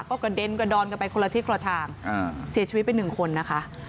ก็กระเด็นกระดอนกันไปคนละทิศละทางเสียชีวิตไปหนึ่งคนนะคะ